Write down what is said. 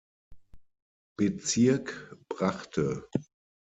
Bezirk brachte.